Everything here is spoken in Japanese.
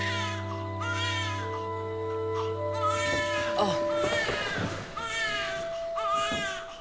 ・あっ。